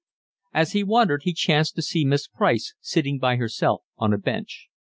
As he wandered he chanced to see Miss Price sitting by herself on a bench.